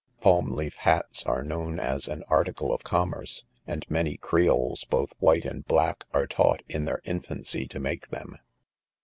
Palm leaf hats are known as an article of commerce; and many Creoles., both white and black, are taught in their infancy to make them.